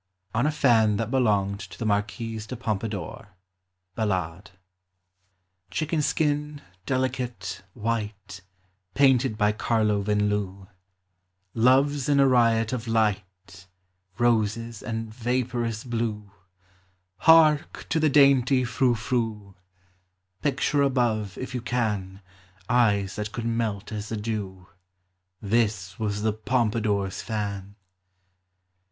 ON A FAN THAT BELONGED TO THE MARQUISE DE POMPADOUR. (dALLADE.) Chicken skin, delicate, white, Painted by Carlo Viinloo, VI— 25 386 POEMS OF SENTIMENT. Loves in a riot of light, Roses and vaporous blue ; Hark to the dainty frou frou ! Picture above, if you can, Eyes that could melt as the dew, — This was the Pompadour's fan